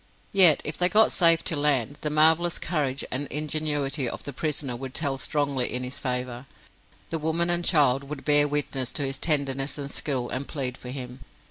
Yet if they got safe to land, the marvellous courage and ingenuity of the prisoner would tell strongly in his favour. The woman and child would bear witness to his tenderness and skill, and plead for him.